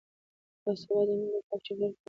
باسواده میندې د پاک چاپیریال پلوي دي.